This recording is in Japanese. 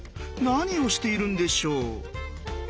何をしているんでしょう。